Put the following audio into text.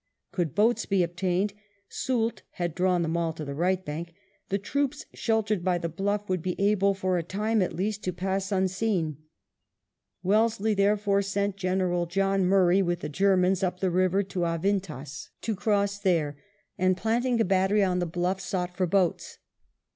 Could boats be obtained — Soult had drawn them all to the right bank — the troops, sheltered by the bluff, would be able for a time at least to pass unseen. Wellesley therefore sent General John VI THE PASSAGE OF THE DOURO 113 Murray with the Germans up the river to Avintas, to cross there, and planting a battery on the bluff sought for boats.